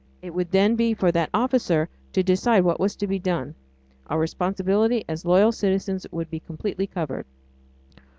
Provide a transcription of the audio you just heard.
It would then be for that officer to decide what was to be done; our responsibility as loyal citizens would be completely covered.